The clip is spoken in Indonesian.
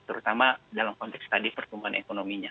terutama dalam konteks tadi pertumbuhan ekonominya